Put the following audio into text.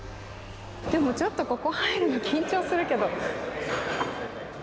でもちょっとここ入るの緊張するけど。